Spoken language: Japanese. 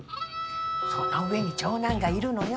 その上に長男がいるのよ。